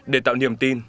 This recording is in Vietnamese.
để tạo niềm tin